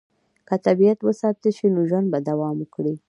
که طبیعت وساتل شي، نو ژوند به دوام وکړي.